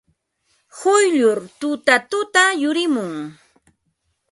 Quyllur tutatuta yurimun.